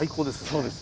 そうですね。